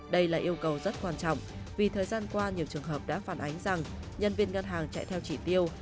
đây là yêu cầu rất quan trọng vì thời gian qua nhiều trường hợp đã phản ánh rằng nhân viên ngân hàng chạy theo chỉ tiêu